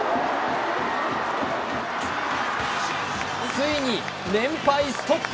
ついに連敗ストップ。